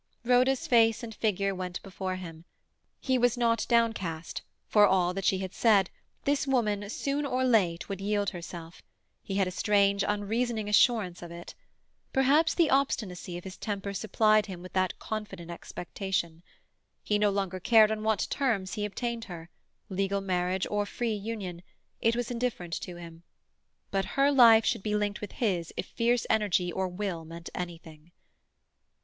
Rhoda's face and figure went before him. He was not downcast; for all that she had said, this woman, soon or late, would yield herself; he had a strange, unreasoning assurance of it. Perhaps the obstinacy of his temper supplied him with that confident expectation. He no longer cared on what terms he obtained her—legal marriage or free union—it was indifferent to him. But her life should be linked with his if fierce energy of will meant anything.